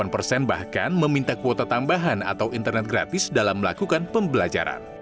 delapan persen bahkan meminta kuota tambahan atau internet gratis dalam melakukan pembelajaran